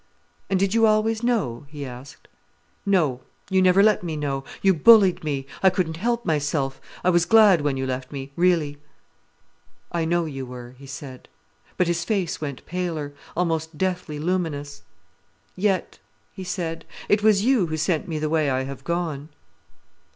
"And did you always know?" he asked. "No—you never let me know. You bullied me. I couldn't help myself. I was glad when you left me, really." "I know you were," he said. But his face went paler, almost deathly luminous. "Yet," he said, "it was you who sent me the way I have gone."